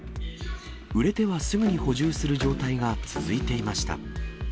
売れてはすぐに補充する状態が続いていました。